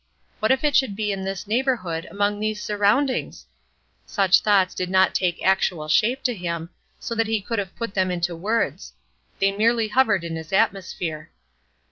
What if it should be in this neighborhood, among these surroundings? Such thoughts did not take actual shape to him, so that he could have put them into words; they merely hovered in his atmosphere.